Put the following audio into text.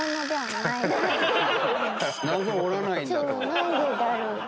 何でだろうって。